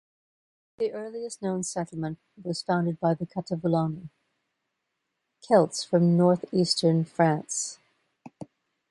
The earliest known settlement was founded by the Catavellauni, Celts from north-eastern France.